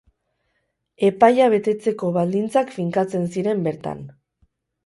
Epaia betetzeko baldintzak finkatzen ziren bertan.